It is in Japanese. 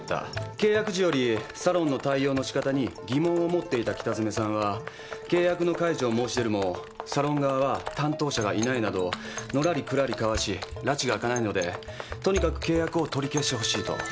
契約時よりサロンの対応のしかたに疑問を持っていた北詰さんは契約の解除を申し出るもサロン側は担当者がいないなどのらりくらりかわしらちが明かないのでとにかく契約を取り消してほしい」と。